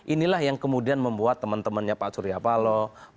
inilah yang kemudian membuat teman temannya pak suryapalo